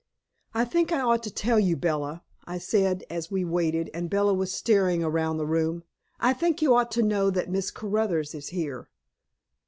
"I think I ought to tell you, Bella," I said as we waited, and Bella was staring around the room "I think you ought to know that Miss Caruthers is here."